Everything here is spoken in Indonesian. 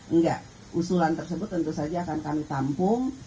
enggak usulan tersebut tentu saja akan kami tampung